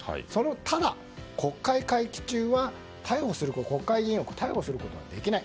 ただ、国会会期中は国会議員を逮捕することはできない。